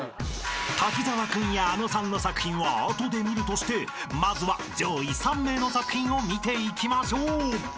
［滝沢君やあのさんの作品はあとで見るとしてまずは上位３名の作品を見ていきましょう］